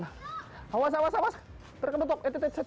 awas awas awas terkebetuk